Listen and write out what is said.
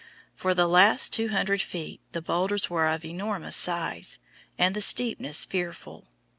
For the last 200 feet the boulders were of enormous size, and the steepness fearful.